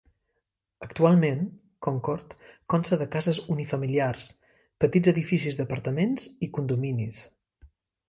Actualment, Concord consta de cases unifamiliars, petits edificis d'apartaments i condominis.